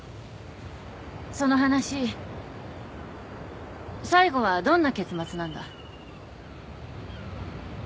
その話最後はどんな結末なんだ？